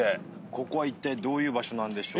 ここはいったいどういう場所なんでしょうか？